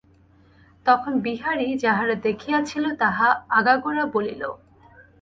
তখন বিহারী যাহা দেখিয়াছিল, তাহা আগাগোড়া বলিল।